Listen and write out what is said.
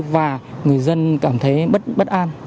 và người dân cảm thấy bất an